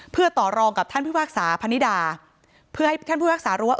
เพื่อต่อรองกับท่านพิพากษาพนิดาเพื่อให้ท่านผู้พิพากษารู้ว่า